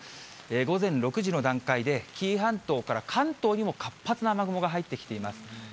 午前６時の段階で、紀伊半島から関東にも活発な雨雲が入ってきています。